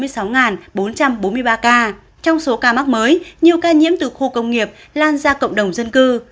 trong số ca mắc mới nhiều ca nhiễm từ khu công nghiệp lan ra cộng đồng dân cư